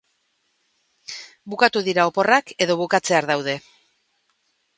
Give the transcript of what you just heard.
Bukatu dira oporrak, edo bukatzear daude.